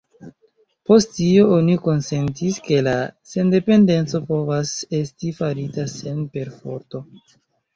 Post tio, oni konsentis, ke la sendependeco povas esti farita sen perforto.